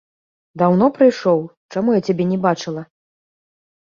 Даўно прыйшоў, чаму я цябе не бачыла?